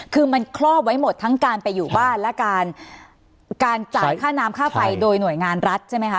คือมันครอบไว้หมดทั้งการไปอยู่บ้านและการจ่ายค่าน้ำค่าไฟโดยหน่วยงานรัฐใช่ไหมคะ